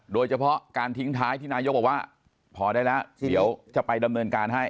โดยเฉพาะการทิ้งท้ายที่นายกบอกว่าพอได้แล้วเดี๋ยวจะไปดำเนินการให้